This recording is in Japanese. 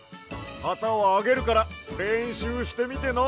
はたをあげるかられんしゅうしてみてな。